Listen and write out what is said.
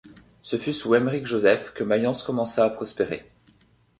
Ce fut sous Emeric-Joseph, que Mayence commença à prospérer.